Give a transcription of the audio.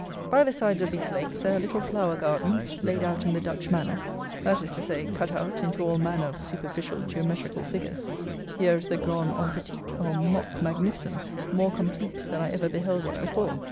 By the sides of these lakes there are little flower gardens, laid out in the Dutch manner; that is to say, cut out into all manner of superficial geometrical figures. Here is the grand en petit, or mock magnificence, more complete than I ever beheld it before.